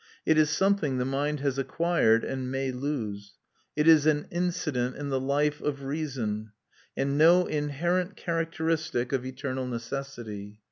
It is something the mind has acquired, and may lose. It is an incident in the life of reason, and no inherent characteristic of eternal necessity.